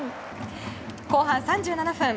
後半３７分。